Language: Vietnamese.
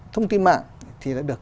thông tin mạng thì đã được